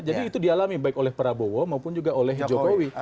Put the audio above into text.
jadi itu dialami baik oleh prabowo maupun juga oleh jokowi